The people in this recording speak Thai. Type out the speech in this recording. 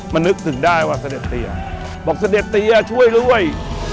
มันนึกถึงได้ว่าเสด็จเตียบอกเสด็จเตียช่วยด้วย